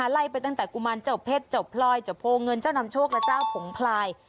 ไล่ไปตั้งแต่กุมารเจ้าเพชรเจ้าพลอยเจ้าโพเงินเจ้านำโชคและเจ้าผงพลาย